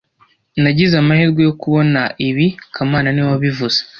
Nagize amahirwe yo kubona ibi kamana niwe wabivuze